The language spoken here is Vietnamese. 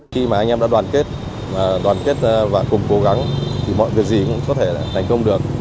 khi mà anh em đã đoàn kết đoàn kết và cùng cố gắng thì mọi việc gì cũng có thể là thành công được